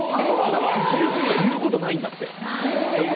一流すぎて言うことないんだって。